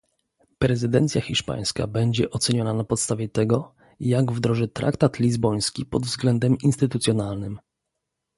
Prezydencja hiszpańska będzie oceniona na podstawie tego, jak wdroży traktat lizboński pod względem instytucjonalnym